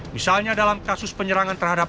misalnya dalam kasus penyerangan terhadap